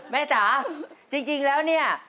แม่จ้าจริงแล้วนี่